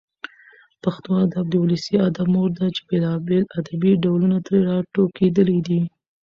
پښتو ژبه د ولسي ادب مور ده چي بېلابېل ادبي ډولونه ترې راټوکېدلي دي.